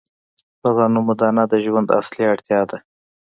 د غنمو دانه د ژوند اصلي اړتیا ده.